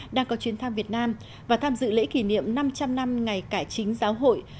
đang có chuyến thăm việt nam và tham dự lễ kỷ niệm năm trăm linh năm ngày cải chính giáo hội